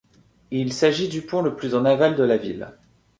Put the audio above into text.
Il s'agit du pont le plus en aval de la ville.